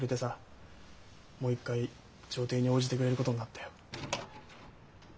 もう一回調停に応じてくれることになったよ。